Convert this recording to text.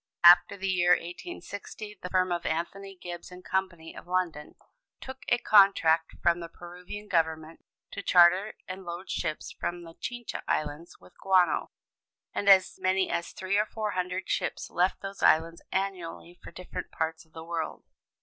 About the year 1860, the firm of Anthony Gibbs & Co., of London, took a contract from the Peruvian Government to charter and load ships from the Chincha Islands with guano, and as many as three or four hundred ships left those islands annually for different parts of the world.